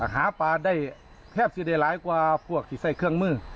หาปลาได้แค่ประสิทธิ์ได้หลายกว่าพวกที่ใช้เครื่องมือ